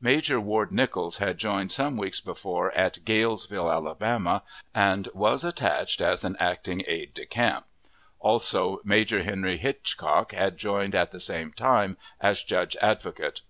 Major Ward Nichols had joined some weeks before at Gaylesville, Alabama, and was attached as an acting aide de camp. Also Major Henry Hitchcock had joined at the same time as judge advocate.